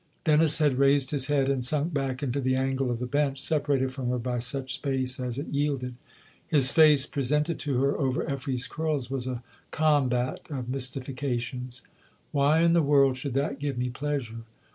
Dennis had raised his head and sunk back into the angle of the bench, separated from her by such space as it yielded. His face, presented to her over Effie's curls, was a combat of mystifications. "Why in the world should that give me pleasure